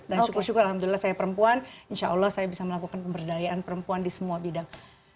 dan syukur syukur alhamdulillah saya perempuan insya allah saya bisa melakukan pemberdayaan perempuan di semua bidang